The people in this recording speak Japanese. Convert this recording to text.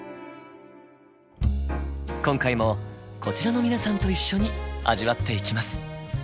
今回もこちらの皆さんと一緒に味わっていきます。